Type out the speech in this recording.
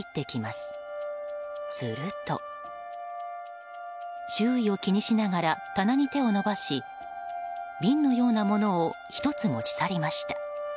すると、周囲を気にしながら棚に手を伸ばし瓶のようなものを１つ持ち去りました。